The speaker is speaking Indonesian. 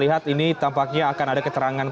hijrekannya agus sangat